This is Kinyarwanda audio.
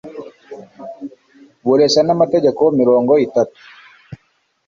bureshya na metero mirongo itatu